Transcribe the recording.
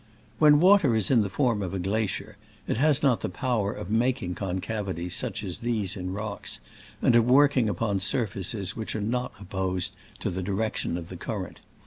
When water is in the form of glacier it has not the power of making concav ities such as these in rocks, and of work ing upon surfaces which are not opposed to the direction of the current.